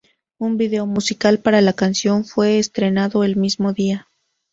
Un vídeo musical para la canción fue estrenado el mismo día.